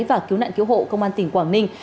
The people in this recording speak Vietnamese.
và cứu nạn cứu hộ công an tỉnh quảng ninh